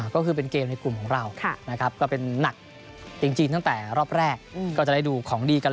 ก็คือการเข้าสู่รอบรอง